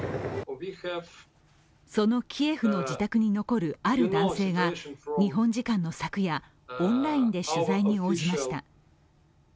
そのキエフの自宅に残るある男性が、日本時間の昨夜、オンラインで取材に応じました。